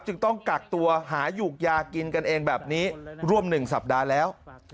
ต้องกักตัวหาหยุกยากินกันเองแบบนี้ร่วม๑สัปดาห์แล้ว